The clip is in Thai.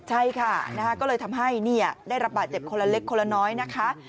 ใช่ค่ะก็เลยทำให้ได้รับบาดเจ็บคนละเล็กคนละน้อยนะคะ